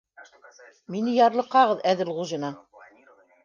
Мине ярлыҡағыҙ, Әҙелғужина!